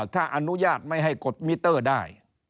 ถ้าอนุญาตไม่ให้กดมิเตอร์ได้